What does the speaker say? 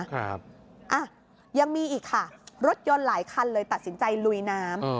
ครับอ่ะยังมีอีกค่ะรถยนต์หลายคันเลยตัดสินใจลุยน้ำ